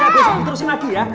besok diturusin lagi ya